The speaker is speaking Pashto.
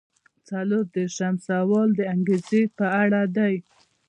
څلور دېرشم سوال د انګیزې په اړه دی.